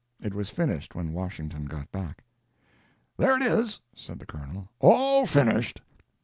It was finished when Washington got back. "There it is," said the Colonel, "all finished."